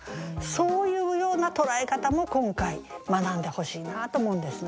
そういうような捉え方も今回学んでほしいなと思うんですね。